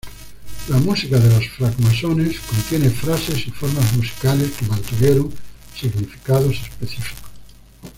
La música de los francmasones contiene frases y formas musicales que mantuvieron significados específicos.